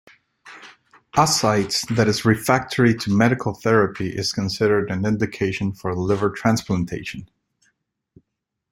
Ascites that is refractory to medical therapy is considered an indication for liver transplantation.